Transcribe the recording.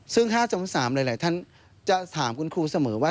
ซึ่ง๕จม๓หลายท่านจะถามคุณครูเสมอว่า